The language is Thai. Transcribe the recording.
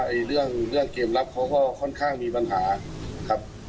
ส่วนจุดอ่อนผมมองว่าเรื่องเกมลับเขาก็ค่อนข้างมีปัญหาครับ